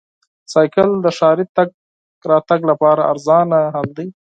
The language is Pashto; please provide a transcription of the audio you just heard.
بایسکل د ښاري تګ راتګ لپاره ارزانه حل دی.